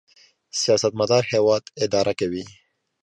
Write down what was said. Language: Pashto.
سیاستمدار هیواد اداره کوي